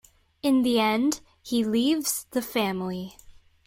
In the end he leaves the family.